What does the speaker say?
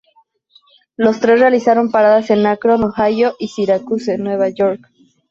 Los tres realizaron paradas en Akron, Ohio y Syracuse, Nueva York.